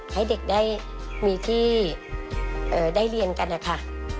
ให้เด็กได้มีที่ได้เรียนกันนะคะ